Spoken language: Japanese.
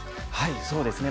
そうですね